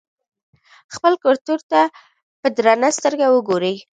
خپل کلتور ته په درنه سترګه وګورئ.